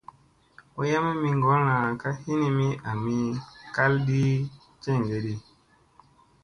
Wayamii mi ŋgolla ka hinimi ami kaldi ceŋge di.